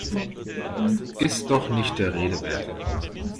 Ist doch nicht der Rede wert!